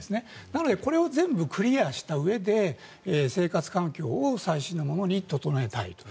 なのでこれを全部クリアしたうえで生活環境を最新のものに整えたいと。